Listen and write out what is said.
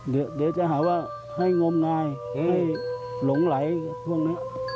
เดี๋ยวจะหาว่าให้งมงายให้หลงไหลพวกนี้